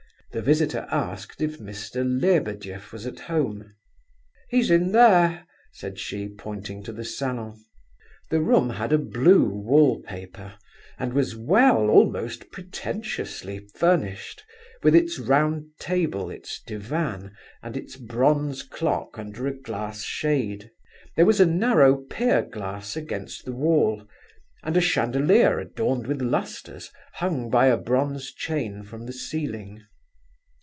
The visitor asked if Mr. Lebedeff were at home. "He is in there," said she, pointing to the salon. The room had a blue wall paper, and was well, almost pretentiously, furnished, with its round table, its divan, and its bronze clock under a glass shade. There was a narrow pier glass against the wall, and a chandelier adorned with lustres hung by a bronze chain from the ceiling.